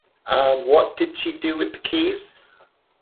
And what did she do with the keys?